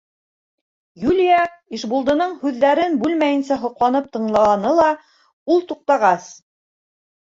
Юлия Ишбулдының һүҙҙәрен бүлмәйенсә һоҡланып тыңланы ла, ул туҡтағас: